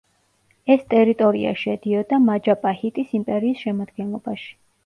ეს ტერიტორია შედიოდა მაჯაპაჰიტის იმპერიის შემადგენლობაში.